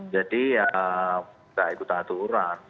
jadi ya tidak ikut aturan